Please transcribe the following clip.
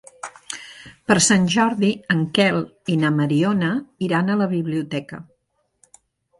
Per Sant Jordi en Quel i na Mariona iran a la biblioteca.